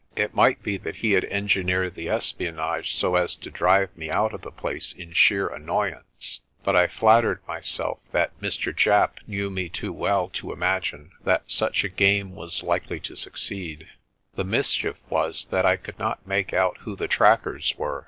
It might be that he had engineered the espionage so as to drive me out of the place in sheer annoyance ; but I flattered my self that Mr. Japp knew me too well to imagine that such a game was likely to succeed. The mischief was that I could not make out who the trackers were.